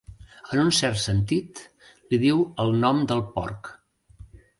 En un cert sentit, li diu el nom del porc.